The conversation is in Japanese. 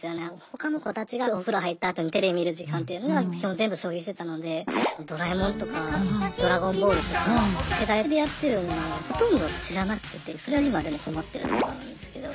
他の子たちがお風呂入ったあとにテレビ見る時間っていうのが基本全部将棋してたので「ドラえもん」とか「ＤＲＡＧＯＮＢＡＬＬ」とか世代ではやってるものをほとんど知らなくてそれは今でも困ってるところなんですけど。